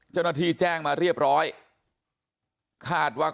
เจ้าหน้าที่แจ้งมาเรียบร้อยคาดว่า